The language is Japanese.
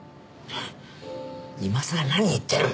今さら何言ってる。